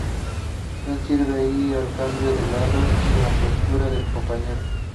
Él sirve allí al cambio de lado y apertura del compañero.